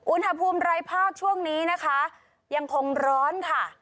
อุณหภูมิไร้ภาคช่วงนี้นะคะยังคงร้อนค่ะ